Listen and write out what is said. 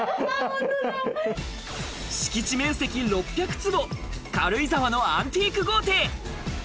敷地面積６００坪、軽井沢のアンティーク豪邸！